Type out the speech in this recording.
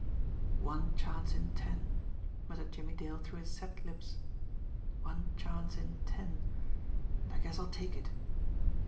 "One chance in ten," muttered Jimmie Dale through his set lips. "One chance in ten and I guess I'll take it!"